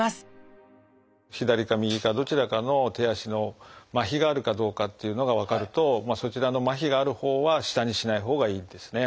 左か右かどちらかの手足のまひがあるかどうかっていうのが分かるとそちらのまひがあるほうは下にしないほうがいいんですね。